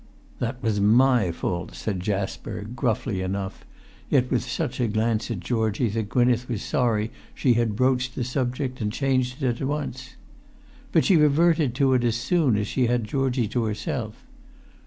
"That was my fault," said Jasper, gruffly enough, yet with such a glance at Georgie that Gwynneth was sorry she had broached the subject, and changed it at once. But she reverted to it as soon as she had Georgie to herself.